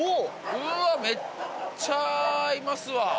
うわー、めっちゃいますわ。